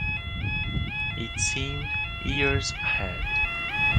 It seemed years ahead.